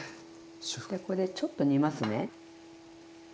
じゃこれでちょっと煮ますね。